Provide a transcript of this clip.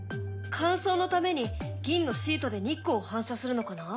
乾燥のために銀のシートで日光を反射するのかな？